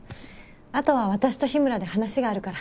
あとは私と日村で話があるから。